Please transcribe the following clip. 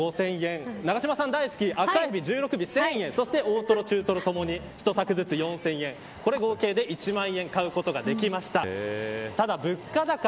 ズワイガニ２袋５０００円永島さん大好き赤エビ１６尾１０００円そして大トロ、中トロともに１柵ずつ、４０００円合計１万円買うことができました。